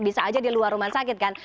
bisa aja di luar rumah sakit kan